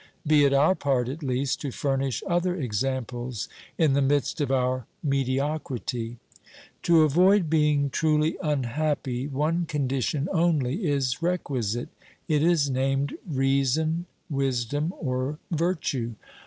Be it our part, at least, to furnish other examples in the midst of our mediocrity ! To avoid being truly unhappy, one condition only OBERMANN 381 is requisite ; it is named reason, wisdom, or virtue.